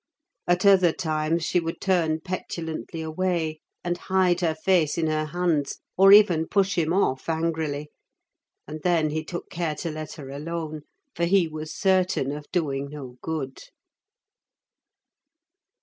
At other times, she would turn petulantly away, and hide her face in her hands, or even push him off angrily; and then he took care to let her alone, for he was certain of doing no good.